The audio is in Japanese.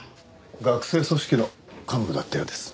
学生組織の幹部だったようです。